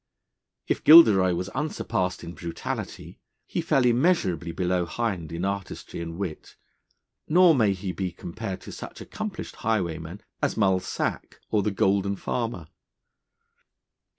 If Gilderoy was unsurpassed in brutality, he fell immeasurably below Hind in artistry and wit, nor may he be compared to such accomplished highwaymen as Mull Sack or the Golden Farmer.